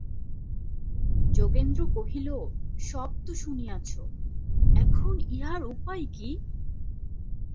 যোগেন্দ্র কহিল, সব তো শুনিয়াছ, এখন ইহার উপায় কী?